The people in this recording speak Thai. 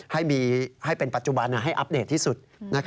ให้เป็นปัจจุบันให้อัปเดตที่สุด